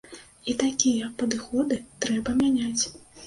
І такія падыходы трэба мяняць.